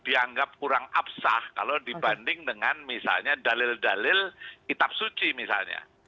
dianggap kurang absah kalau dibanding dengan misalnya dalil dalil kitab suci misalnya